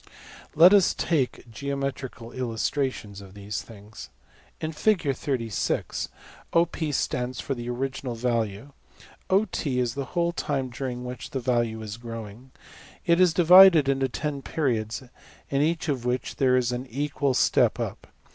Let us take geometrical illustrations of these things. In \Fig, $OP$~stands for the original value. $OT$~is \DPPageSep{150.png}% the whole time during which the value is growing. It is divided into $10$~periods, in each of which there is an equal step up.